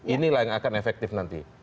inilah yang akan efektif nanti